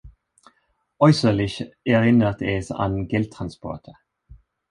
Äußerlich erinnert es an Geldtransporter.